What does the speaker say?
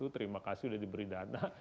terima kasih sudah diberi dana